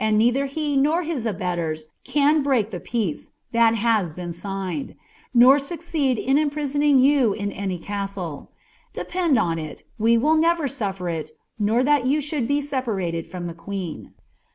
netiliLT lie nor his abetmrs can break ihe peace, ihal haa been signed; nor auceoed in imprisoning you in any castle. Depend on it, we wil Hver nulfer it, nor ihai you should be separated from the queen.'